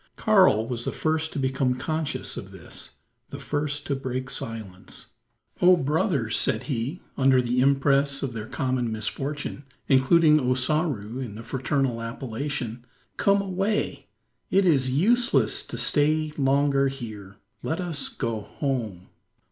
Karl was the first to become conscious of this the first to break silence. "Oh, brothers!" said he, under the impress of their common misfortune including Ossaroo in the fraternal appellation. "Come away! It is useless to stay longer here. Let us go home!"